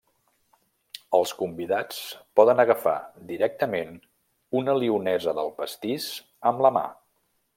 Els convidats poden agafar directament una lionesa del pastís amb la mà.